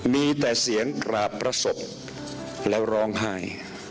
มีแต่เสียงกราบพระศพแล้วร้องไห้